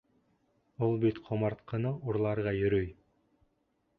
Ул бит ҡомартҡыны урларға йөрөй!